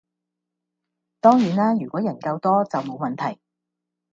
當然啦如果人夠多就冇問題